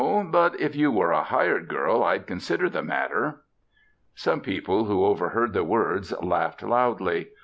But if you were a hired girl, I'd consider the matter." Some people who overheard the words laughed loudly.